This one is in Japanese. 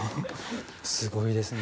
すごいですね。